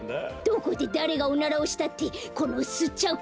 どこでだれがおならをしたってこのすっちゃう